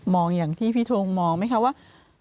อย่างที่พี่ทงมองไหมคะว่า